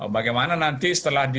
bagaimana nanti setelah g dua puluh